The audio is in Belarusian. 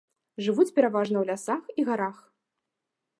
Жывуць пераважна ў лясах і гарах.